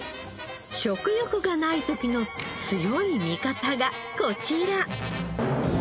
食欲がない時の強い味方がこちら！